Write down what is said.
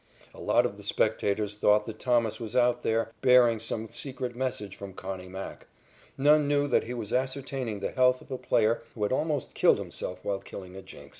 A lot of the spectators thought that Thomas was out there, bearing some secret message from "Connie" Mack. None knew that he was ascertaining the health of a player who had almost killed himself while killing a jinx.